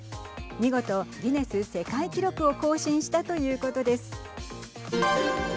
見事、ギネス世界記録を更新したということです。